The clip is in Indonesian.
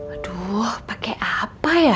aduh pakai apa ya